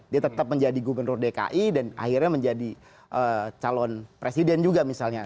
dia tetap menjadi gubernur dki dan akhirnya menjadi calon presiden juga misalnya